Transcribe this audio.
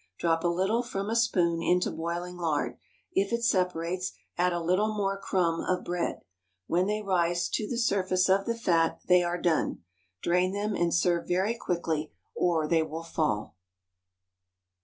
Drop a little from a spoon into boiling lard; if it separates, add a little more crumb of bread; when they rise to the surface of the fat they are done. Drain them, and serve very quickly, or they will fall.